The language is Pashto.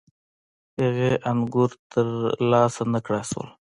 هغې انګور ترلاسه نه کړای شول.